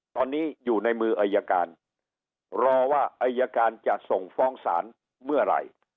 ตอนนี้อยู่ในมืออายการรอว่าอายการจะส่งฟ้องศาลเมื่อไหร่